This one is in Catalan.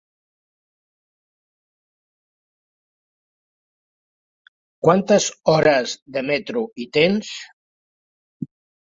Quantes hores de metro hi tens?